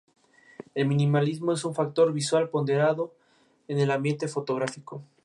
El minimalismo es un factor visual ponderado en el ambiente fotográfico.